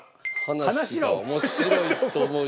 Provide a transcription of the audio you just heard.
「話が面白いと思う」。